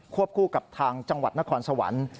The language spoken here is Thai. คู่กับทางจังหวัดนครสวรรค์